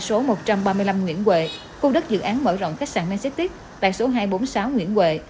số một trăm ba mươi năm nguyễn huệ khu đất dự án mở rộng khách sạn nagistic tại số hai trăm bốn mươi sáu nguyễn huệ